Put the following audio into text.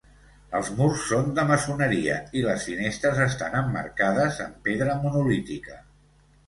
Els murs són de maçoneria i les finestres estan emmarcades amb pedra monolítica.